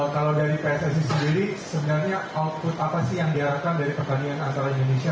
kalau dari pssi sendiri sebenarnya output apa sih yang diharapkan dari pertandingan antara indonesia